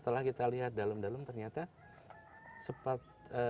setelah kita lihat dalam dalam ternyata sempat